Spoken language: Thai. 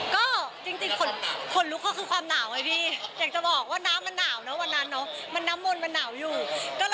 ก็จริงจริงขนลุกเขาคือความหนาวไหมพี่อยากจะบอกว่าน้ำมันหนาวเนอะวันนั้นเนอะ